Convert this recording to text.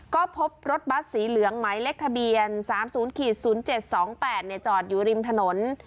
ก็พบรถบัตรสีเหลืองไหมเล็กทะเบียนสามศูนย์ขีดศูนย์เจ็ดสองแปดเนี่ยจอดอยู่ริมถนน